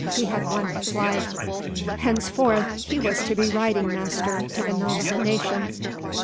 He had won his life! Henceforth he was to be riding master to the Navajo nation!